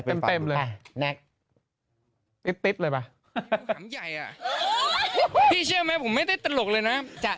พี่เชื่อมั้ยผมไม่ได้ตลกเลยนะ